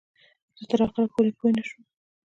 زه تر اخره پوی نشوم.